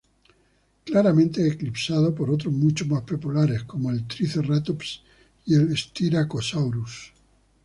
Claramente eclipsado por otros mucho más populares como el "Triceratops" y el "Styracosaurus".